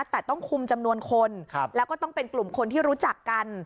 แต่ต้องคุมจำนวนคนแล้วก็ต้องเป็นกลุ่มคนที่รู้จักกัน